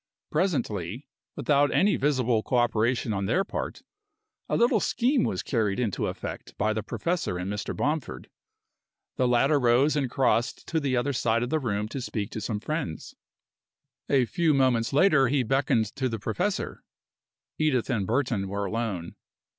Presently, without any visible co operation on their part, a little scheme was carried into effect by the professor and Mr. Bomford. The latter rose and crossed to the other side of the room to speak to some friends. A few moments later he beckoned to the professor. Edith and Burton were alone.